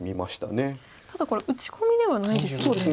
ただこれ打ち込みではないですよね。